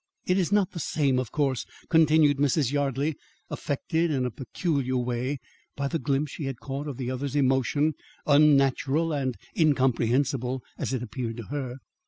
"It is not the same, of course," continued Mrs. Yardley, affected in a peculiar way by the glimpse she had caught of the other's emotion unnatural and incomprehensible as it appeared to her.